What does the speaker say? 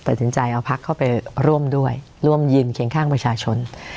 ตัดสินใจเอาพักเข้าไปร่วมด้วยร่วมยืนเคียงข้างประชาชน